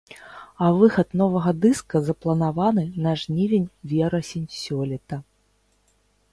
А выхад новага дыска запланаваны на жнівень-верасень сёлета.